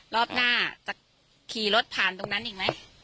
รอบหน้าจะขี่รถผ่านตรงนั้นอีกไหม